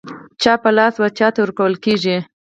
چا په لاس و چاته ورکول کېږي.